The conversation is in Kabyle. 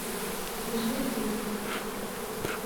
D lɣib waya.